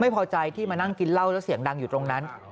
ไม่พอใจที่มานั่งกินเหล้าแล้วเสียงดังอยู่ตรงนั้น